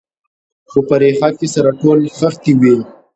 خو په ریښه کې سره ټول نښتي وي.